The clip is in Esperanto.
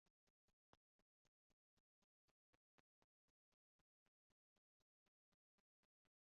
Li instruas en usonaj universitatoj, inter aliaj Harvard, Princeton.